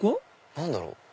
何だろう？